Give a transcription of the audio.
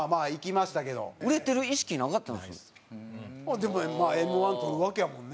でもＭ−１とるわけやもんね。